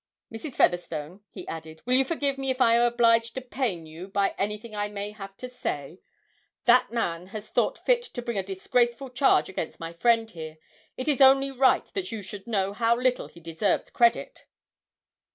Mrs. Featherstone,' he added, 'will you forgive me if I am obliged to pain you by anything I may have to say? That man has thought fit to bring a disgraceful charge against my friend here it is only right that you should know how little he deserves credit!'